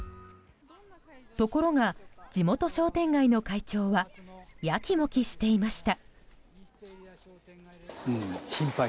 ところが、地元商店街の会長はやきもきしていました。